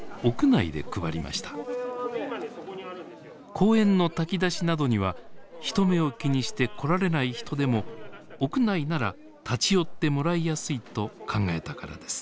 公園の炊き出しなどには人目を気にして来られない人でも屋内なら立ち寄ってもらいやすいと考えたからです。